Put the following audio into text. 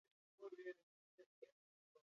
Bronkiolitisa infekzio biral bat da.